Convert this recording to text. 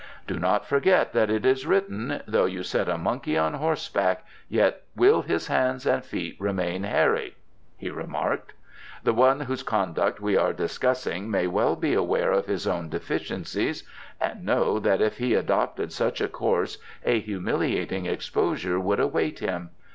"Do not forget that it is written: 'Though you set a monkey on horseback yet will his hands and feet remain hairy,'" he remarked. "The one whose conduct we are discussing may well be aware of his own deficiencies, and know that if he adopted such a course a humiliating exposure would await him.